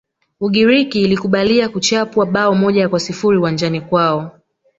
ugiriki ilikubalia kuchapwa bao moja kwa sifuri uwanjani kwao